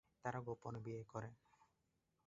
তারা গোপনে বিয়ে করে।